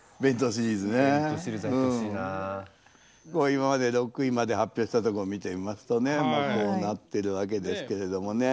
今まで６位まで発表したとこを見てみますとねこうなってるわけですけれどもね。